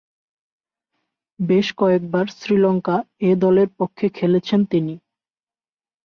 বেশ কয়েকবার শ্রীলঙ্কা এ দলের পক্ষে খেলেছেন তিনি।